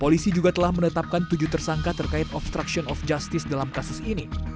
polisi juga telah menetapkan tujuh tersangka terkait obstruction of justice dalam kasus ini